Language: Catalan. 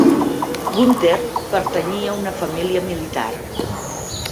Gunther pertanyia a una família militar.